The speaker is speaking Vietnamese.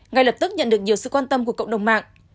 ngay lập tức nhận được nhiều sự quan tâm của cộng đồng mạng